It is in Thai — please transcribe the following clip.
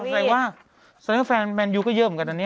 คงคือว่าแฟนแมนยูก็เยอะเหมือนกันอันนี้